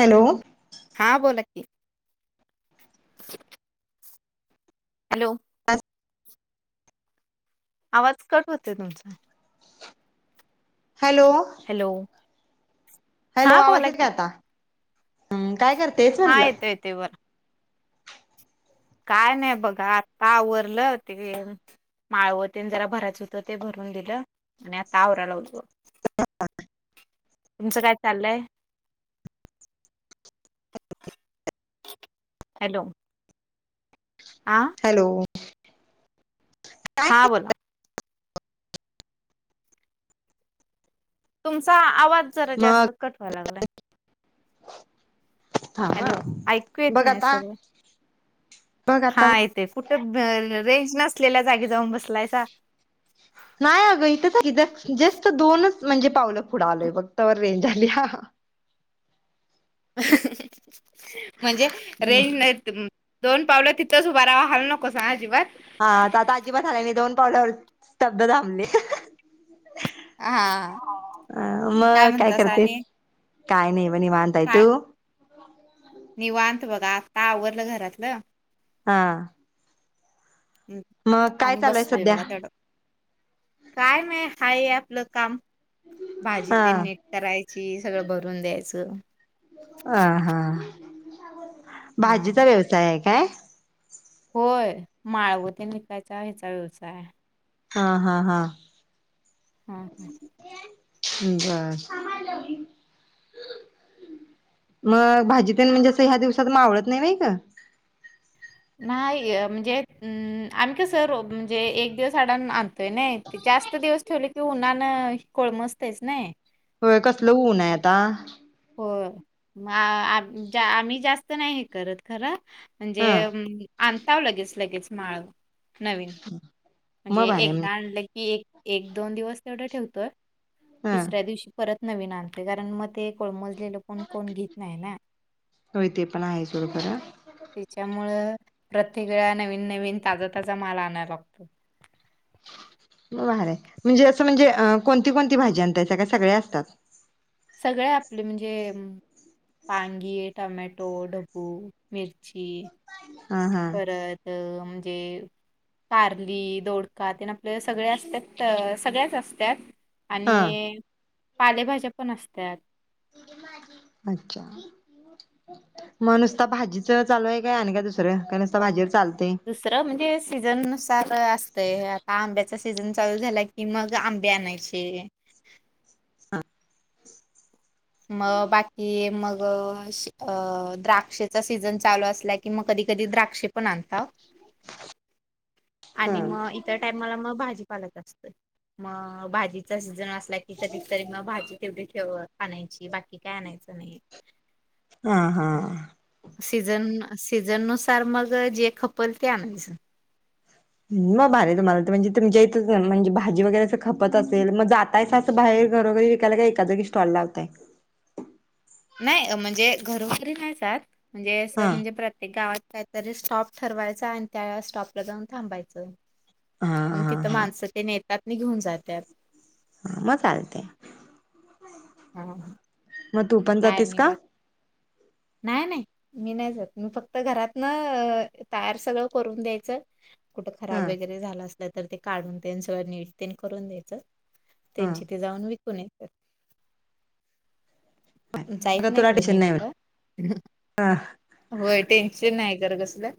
Hello हा बोला की [inaudible] हॅलो आवाज कट होतोय तुमचा हॅलो हॅलो हॅलो हा आवाज बोला येतो का की आता हम्म काय करते च हा म्हणलं येतोय येतोय बोला काय नाही बघा आता आवरलं ते माळव तेन जरा भरायचं होत ते भरून दिलं आणि आता आवराय लागलो तुमचं काय चाललंय हॅलो? आ हॅलो काय हा बोला तुमचा आवाज जरा मग जास्त कट व्हाय लागलाय थांब हॅलो हं ऐकू येत बघ नाही आता सर बघ आता हां येतेय कुठ रेंज नसलेल्या जागी जाऊन बसलाय सा नाही अगं इथ जस्ट दोनच म्हणजे पावलं पुढं आलोय बघ तवर रेंज आलीया हं हं ह ह ह ह म्हणजे रेंज नाही तर दोन पावलं तिथंच उभारावा हलू नकोसां अजिबात हा आता आजीबात हलाय नाही दोन पावलावर स्तब्ध थांबले ह ह हा ही अ मग काय करतेस काय नाही बघ निवांत हाय बघ तू काय निवांत बघा आता आवरलं घरातलं. हा. हम्म मग काय आणि चालू आहे बसलोय सध्या बघा तेवढ. काय नाय हाय हे आपलं काम भाजी हा ते नीट करायची, सगळं भरून द्यायचं. हा हा [unintelligible] हा हा भाजीचा व्यवसाय आहे काय? होय माळव तेन विकायचा, ह्याचा व्यवसाय हाय. हा, हा, हा, हा. हा हा [inaudible] बर, मग भाजी तेन म्हणजें अस ह्या दिवसात मावळत नई व्हय ग? नाही म्हणजे अ आम्ही कसं रो म्हणजे एक दिवस अडाण आणतोय नाही, जास्त दिवस ठेवले कि उन्हान कोळमजतयच नई. कसलं ऊन आहे आता [inaudible] आम्ही जास्त नाही हे करत खरं म्हणजे हं आणताव लगेच, लगेच माळव. नवीन म्हणजे मग भारी आहे एकदा आणलय की एक एक दोन दिवस तेवढं ठेवतोय. हं तिसऱ्या दिवशी परत नवीन आणते कारण मग ते कोळमज लं पण कोण घीत नाय ना होय ते पण आहे सोड खरं त्याच्यामुळं प्रत्येक वेळा नवीन, नवीन ताजा, ताजा माल आणायला लागतो. मग भारी हाय. म्हणजे असं म्हणजे अ कोणती, कोणती भाजी आणताय? का सगळे असतात? सगळे आपले म्हणजे वांगी, टमॅटो, ढबू, मिरची. [inaudible] परत अं ते कारली, दोडका तेन आपल्या सगळ असत्यात सगळ्याच असत्यात. हा आणि पालेभाज्या पण असत्याात. अच्छा, मग नुसता भाजीच चालू आहे काय आणि काय दुसरं. का नुसता भाजीवरच दुसरं म्हणजे सीजननुसार असतय आता आंब्या सीझन चालू झाला की मग आंबे आणायचे. मग बाकी मग मग अ द्राक्षेचा सीझन चालू असला, कि मग कधी कधी द्राक्ष पण आणताव. हा आणि मग इतर टाइमला मग भाजी पालक असतय म-म-म भाजीचा सीझन अस नाही कधी तरी मग भाजी तेवढी ठेव आणायचीय बाकी काय आणायचं नाही हा-हा-हा सीजन अ सीजन नुसार मग अ जे खपल ते आनायच म भारी हायं तुम्हाला तर म्हणजे तुमच्या इथ अ म्हणजे भाजी वगैरे अस खपत असेल मग जातायसा असं बाहेर घरोघरी विकायला का एकाच जागी स्टॉल लावताय. नाय म्हणजे घरोघरी नाय जात म्हणजे असं हा म्हणजे प्रत्येक गावात कायतरी स्टॉप ठरवायचा आन त्या स्टॉपला जाऊन थांबायचं हा म हा तिथं हा माणस तेन येत रात्री घेऊन जात्यात हा म चालतंय हा हम म तू पण जातीस का नाय नाय मी नाय जात मी फक्त घरात न तयार सगळं करून द्यायचं कुठं हा खराब वगैरे झाल असत तर ते काढून तेन सगळ नीट तेन करून द्यायचं हा त्यांची ते जाऊन विक कुनिकड [unintelligible] नाय मग तुरा टीशन नाय होत हा ह-ह होय टेन्शन नाय खर कसल्या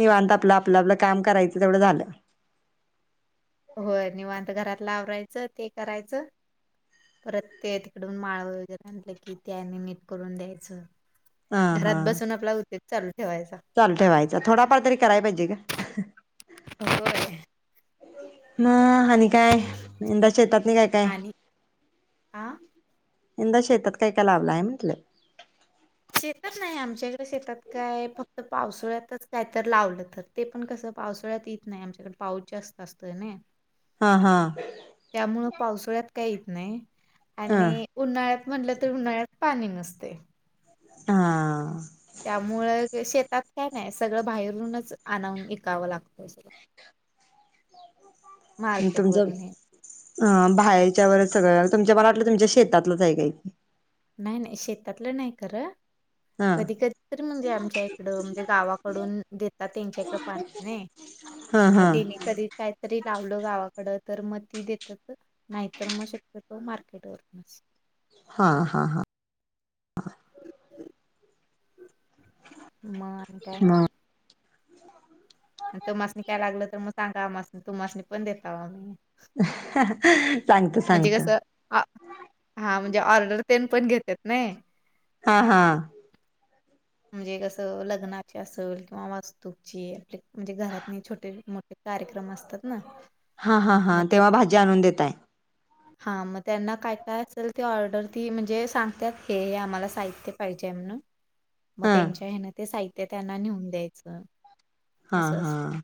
निवांत आपलं आपलं आपलं काम करायचं तेवढं झालं होय निवांत घरात इथलं आवरायचं ते करायचं परत ते तिकडून माळव वगैरे आणलं की ते आणि नीट करून द्यायचं हा हा घरात बसून आपला हुतेत चालू दे चालू ठेवायचं थोडाफार तरी कराय पाहिजे गं अह-ह होय. म-अ-अ आणि काय यंदा शेतात नी काय काय आणि आ यंदा शेतात काय काय लावल हाय म्हंटल शेतात नाय आमच्या हिकडं शेतात काय फक्त पावसुळ्यातच काय तर लावलं तर ते पण कसं पावसुळ्यात यीत नाय आमच्याकड पाऊस जास्त असतोय नाय हा हा त्यामुळं पावसुळ्यात काय यित नाई हा आणि उन्हाळ्यात म्हटलं तर उन्हाळ्यात पाणी नसतय... हां त्यामुळं शेतात काय नाही सगळं बाहेरूनच आणवून विकावं लागतं... मार्केट तुमच्या वरून हे अ बायाच्या वर सगळ्या तुमच्या मला वाटलं तुमच्या शेतातलच आहे काय... नाही नाही शेतातलं नाही खरं.. हा कधी कधी तरी म्हणजे आमच्या इकड म्हणजे गावाकडून देतात त्यांच्या इकड पाणी नाही हा मग हा त्यांनी कधी काहीतरी लावलं गावाकड..... तर मग ती देतात नाहीतर मग शक्यतो मार्केट वरूनच... हा हा हा [inaudible] म आणि काय.. मग तुमासनी काय लागलं तर मग सांगा आमसनी तूमासणी पण देताव आम्ही... ह हा सांगतो म्हणजे सांगतो... कसं हा म्हणजे ऑर्डर तेन पण घेतेत नाही हा हां.. म्हणजे कसं लग्नाची असेल किंवा वास्तूची आपली म्हणजे घरात छोटे मोठे कार्यक्रम असतात ना... हा हा हा तेव्हा भाजी आणून देताय... हा मग त्यांना काय काय असेल ती ऑर्डर ती म्हणजे सांगतात ते आम्हाला साहित्य पाहिजे आहे म्हणुन मग हा त्यांच्या हेन ते साहित..... ते त्यांना नेऊन द्यायचं. हा असं असतं. हां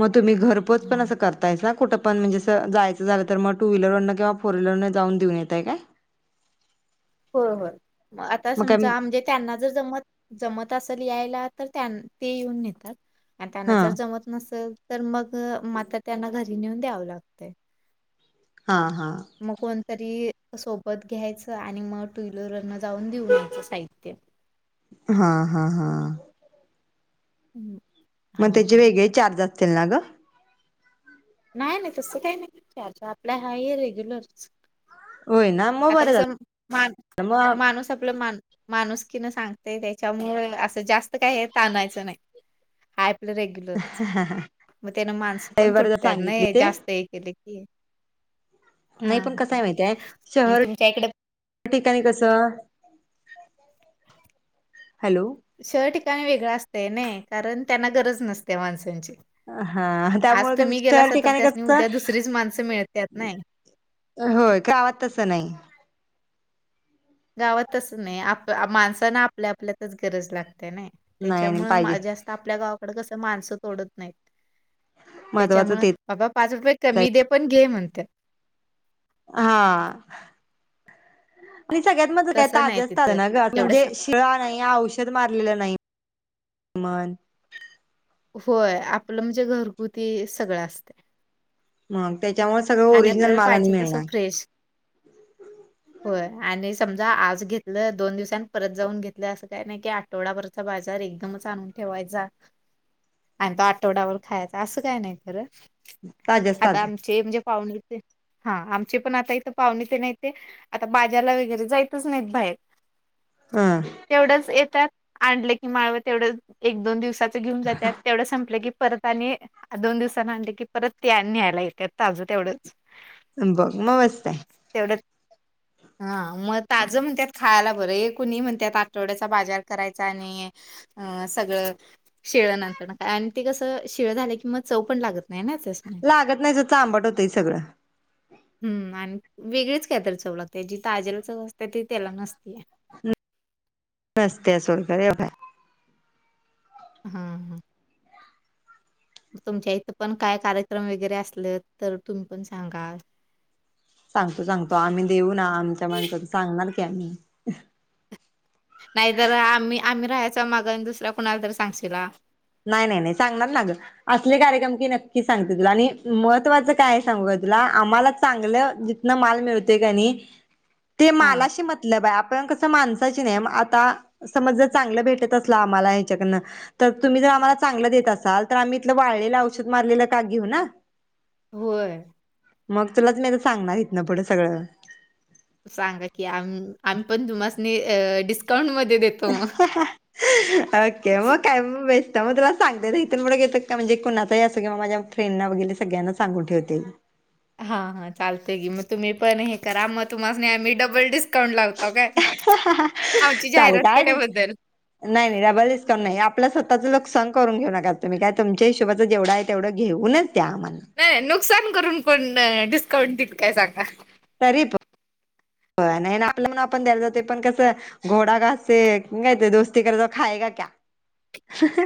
मग तुम्ही घरपोच पण हां. असं करताय का? कुठ पण म्हणजे अस जायचं झालं तर मग टू व्हीलरन किंवा फोर व्हीलरन जाऊन देऊन येताय काय? होय होय मग आता समजा म्हणजे त्यांना जर जमत जमत असेल.... यायला तर त्यां ते येऊन नेतात. आणि त्यांना हा जर जमत नसेल तर मग आता त्यांना घरी नेऊन द्यावं लागते... हां हां तरी सोबत घ्यायचं आणि मग टु व्हिलर न जाऊन देऊन यायचं साहित्य.. हा हा हा हम मग त्याचे वेगळे चार्ज असं त्यांला ग नाही नाही तसं काही नाही आपलं आहे हे रेग्युलरच.... होय ना मग आता बरं जस झालं मान मग माणूस आपलं मान.... माणूसकिन सांगते त्याच्यामुळे असं जास्त काही हे ताणायचं नाही रेग्युलरचं मग त्यानं माणसं पण तूट रविवारी जर सांगितली त्यांनइ जास्त एक ठि [inaudible] नाइ पण कसय माहितीहाय मग शहर तुमच्या इकडे ठिकाणी कसं हॅलो. शहर ठिकाणी वेगळ असतय नई, कारण त्यांना गरज नसते माणसांची. हंअ आज त्यामुळे कस तुम्ही शहर गेलासा तर ठिकाणी त्यासनी कस उद्या दुसरीच माणसं मिळत्यात नाही. होय गावात तस नाइ. गावात तस नाइ आप माणसांना आपल्या आपल्यातच गरज लाग - - त्या नाय नाही त्याच्यामुळ पाहिजे माझ जास्त आपल्या गाव पण कस माणसं तोडत नाहीत. महत्वाचं तेच्यामुळ तेच बाबा पाच रुपये कमी दे पण घे म्हण - - त्या हांआ आणि सगळ्यात महत्वाचं काय तसं नाही ताज्यासताज तिथं त्यांना ग एवढं आता सा शिळा नाही औषध मारलेलं नाही. मन होय आपल म्हणजे घरगुती सगळं असतय. मगं तेच्यामुळ सगळ ओरिजनल माल आणि तसं मिळणार. फ्रेश होय आणि समजा आज घेतलं दोन दिवसांनी परत जाऊन घेतलं असं काय नाही कि आठवडाबरचा बाजार एकदमच आणून ठेवायचा आणि तो आठवड्याबरं खायचा असं काय नाही खरं ताज्याच आता ताज आमचे म्हणजे पाहूणेतेन हा आमचे पण आता इथं पाहुणेतेन आहेत ते आता बाजारला वगैरे जाइंतचं नाहीत बाहेर ह तेवढच येतात आणले की माळव तेवढ एक दोन दिवसात ते घेऊन जात्यात तेवढ संपल की परत आणि दोन दिवसान आणल की परत ते आणि न्यायला येतात ताज बघ म मस्ताय. तेवढंच हा मग ताज म्हणत्यात खायला बरं एक कुणी म्हणत्यात आठवड्याचा बाजार करायचा आणि अ सगळ शिळ नंतर आणि ते कस शिळ झाल कि मग चव पण लागत नाही ना त्यासनी. लागत नाही ज चाम [unintelligible] सगळं हं. आणि वेगळीच कायतर चव लागते. जी ताजेला चव असते ती त्याला नसते. [unintelligible] सोड खरं एवढं हं हम तुमच्या इथं पण काय कार्यक्रम वगैरे असले, तर तुम्ही पण सांगा. सांगतो सांगतो आम्ही देऊ ना आमच्या माणसाच सांगणार त्यांनी नाहीतर आम्ही आम्ही राहायच माग आणि दुसऱ्या कुणाला तरी सांगशीला. नाही नाही नाही सांगणार ना ग असले कार्यक्रम की नक्की सांगते तुला आणि महत्त्वाच काय आहे सांगू का तुला आम्हाला चांगलं जीथन माल मिळतोय का नाही. ते हां. मालाशी मतलब आहे आपल्याला कसं. तस माणसाच नाही आता समज जर चांगल भेटत असल आम्हाला याच्याकडण तर तुम्ही जर आम्हाला चांगलं देत असाल तर आम्ही इथ वाळलेलं औषध मारलेलं का घेऊ ना? होय. मग तुलाच मी आता सांगणार इथन पुढं सगळं सांगा की आम्ही पण तुमासनी डिस्काउंटमध्ये ते देतो मग हीं हीं ओके मग काय बेस तवा तुला सांगते इथून पूढं घेतल की म्हणजे कु णाचाही अस किंवा माझ्या फ्रेंडं वगैर सगळ्याना सांगून ठेवते. हा हा चालतेय गी मग तुम्ही पण हे करा मग तुम्हासणी आम्ही डबल डिस्काउंट लावतो. काय? आमची चालेल जाहिरात काय नाही केल्याबद्दल. नाही नाही डबल डिस्काउंट नाही. आपलं स्वतःचं नुकसान करून घेऊ नका तुम्ही काय तुमच्या हीशोबाचं जेवढं आहे तेवढं घेऊनच द्या आम्हाला नाही नुकसान करून पण डीस कोण दिल काय सांगा. तरीप व्हय नाही ना आपल म्हनुण आपण द्यायला जातोय पण कसं घोडा घास से काय ते दोस्ती करेगा तो खाएगा क्या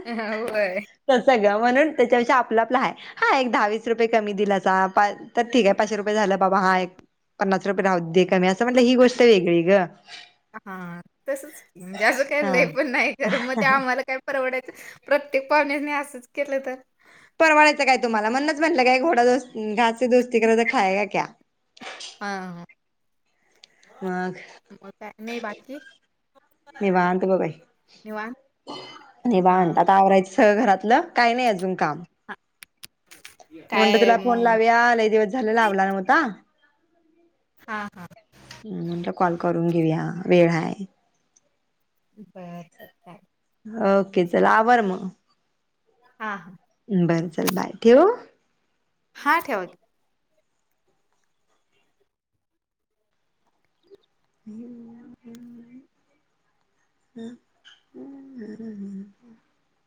होय. तस ग म्हणून त्याच्यापेक्षा आपल आपल हाय हा एक दहावीस रुपये कमी दिलासा तर ठीक आहे पाचशे रुपये झालं बाबा हा एक पन्नास रुपये राहू दे कमी असू म्हटलं ही गोष्ट वेगळी ग हा तसच कि मजे अस काय हा लई पण नाही खर मग ते आम्हाला काय परवडायच. प्रत्येक पाहुण्यासणी असंच केलं तर, परवाडायचं काय तुम्हाला म्हणूनच म्हटलं काय घोडा जस् घाससे दोस्ती करेगा तो खाएगा क्या? हा ह मग काय नाही बाकी निवांत [unintelligible] ब बाई निवांत? निवांत हां, आता आवरायच सगळ घरातलं काही नाही अजून काम म्हटल काय तुला फोन अं, लावूया लई दिवस झाल लावला नव्हता. हा हा ह म्हणलं कॉल करून घेऊया वेळ हाय हम्म हू ओके चला आभार मग हां, हां, हम् बर चल बाय ठेवू. हा ठेवा की, [inaudible] [unintelligible]